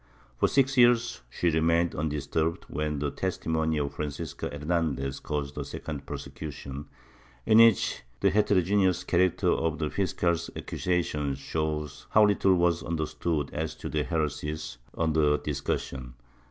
For six years she remained undisturbed, when the testimony of Francisca Hernandez caused a second prosecu tion, in which the heterogeneous character of the fiscars accusa tion shows how little was imderstood as to the heresies under discussion.